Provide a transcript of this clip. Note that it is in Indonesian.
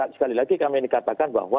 sekali lagi kami ingin katakan bahwa